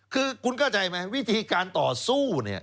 คือคุณเข้าใจไหมวิธีการต่อสู้เนี่ย